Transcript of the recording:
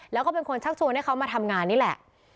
แล้วก็เป็นคนชักชวนให้เขามาทำงานนี่แหละ